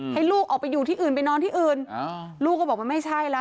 ให้ลูกออกไปอยู่ที่อื่นไปนอนที่อื่นลูกก็บอกว่าไม่ใช่แล้ว